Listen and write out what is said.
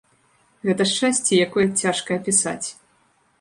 Гэта шчасце, якое цяжка апісаць.